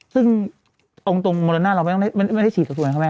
ซึ่งตรงมลังหน้าเราไม่ได้ฉีดกับส่วนไขมัน